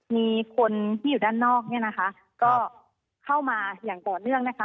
มีคนที่อยู่ด้านนอกก็เข้ามาอย่างก่อนเรื่องนะคะ